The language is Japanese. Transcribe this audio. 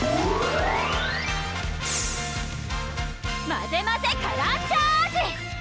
まぜまぜカラーチャージ！